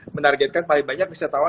menargetkan paling banyak pesertawan